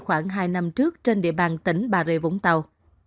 khoảng hai năm trước trên địa bàn tỉnh bà rịa vũng tàu